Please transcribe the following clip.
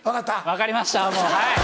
分かりました。